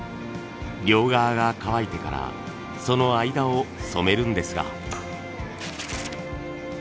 両側が乾いてからその間を染めるんですが。